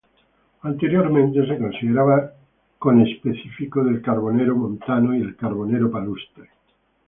Anteriormente se consideraba conespecífico del carbonero montano y el carbonero palustre.